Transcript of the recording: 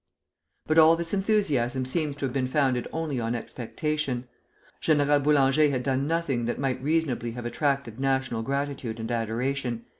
But all this enthusiasm seems to have been founded only on expectation. General Boulanger had done nothing that might reasonably have attracted national gratitude and adoration.